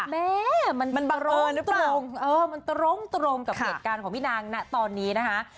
แหม่มันตรงกับเปรตการของพี่นางตอนนี้ครับ